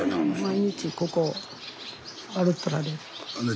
毎日ここを歩っておられる。